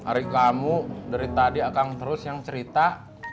hari kamu dari tadi akang terus yang cerita